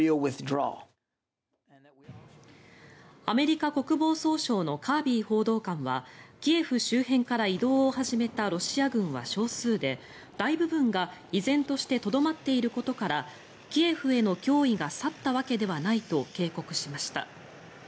アメリカ国防総省のカービー報道官はキエフ周辺から移動を始めたロシア軍は少数で大部分が依然としてとどまっていることからキエフへの脅威が去ったわけではないと警告しました。